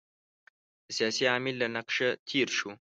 د سیاسي عامل له نقشه تېر شو.